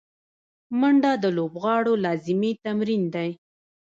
منډه د لوبغاړو لازمي تمرین دی